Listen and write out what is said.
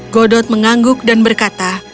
godot mengangguk dan berkata